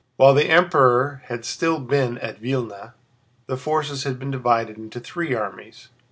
While the Emperor had still been at Vílna, the forces had been divided into three armies.